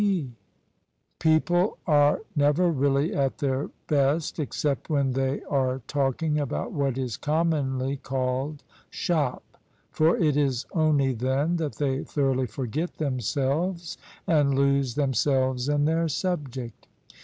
THE SUBJECTION People are never really at their best except when they are talking about what is commonly called shop: for it is only then that they thoroughly forget themselves and lose themselves in their subject.